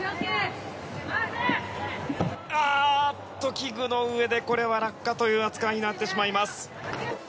器具の上でこれは落下という扱いになってしまいます。